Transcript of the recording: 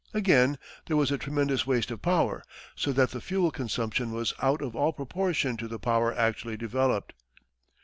Again, there was a tremendous waste of power, so that the fuel consumption was out of all proportion to the power actually developed.